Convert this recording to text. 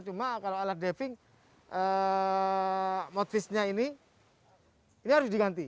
cuma kalau alat diving motfisnya ini ini harus diganti